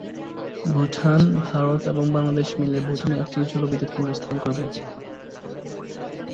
ভুটান, ভারত এবং বাংলাদেশ মিলে ভুটানে একটি জল বিদ্যুৎ কেন্দ্র স্থাপন করবে।